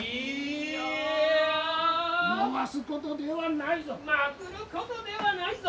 なぶることではないぞ。